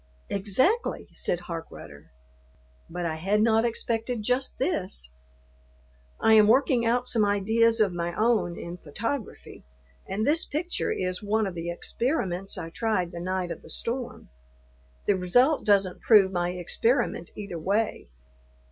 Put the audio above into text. "Exactly," said Harkrudder, "but I had not expected just this. I am working out some ideas of my own in photography, and this picture is one of the experiments I tried the night of the storm. The result doesn't prove my experiment either way.